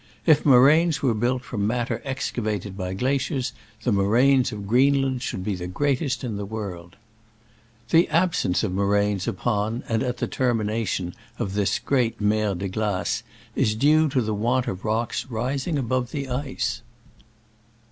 If moraines were built from matter excavated by glaciers, the moraines of Creenland should be the greatest in the world ! The absence of moraines upon and at the termination of this great Mer de Clace is due to ihe want of rocks rising above the ice.